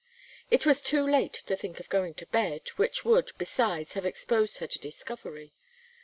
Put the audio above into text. It was too late to think of going to bed, which would, besides, have exposed her to discovery.